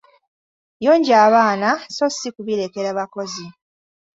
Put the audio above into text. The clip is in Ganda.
Yonja abaana so si kubirekera bakozi.